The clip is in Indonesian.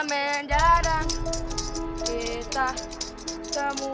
terima kasih pak bu